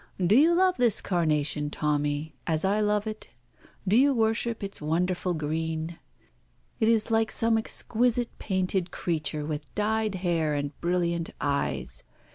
Do you love this carnation, Tommy, as I love it? Do you worship its wonderful green? It is like some exquisite painted creature with dyed hair and brilliant eyes.